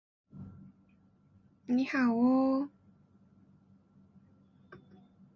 Pronotum highly convex and elytra finely densely granular.